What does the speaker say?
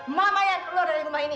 mama yang keluar dari rumah ini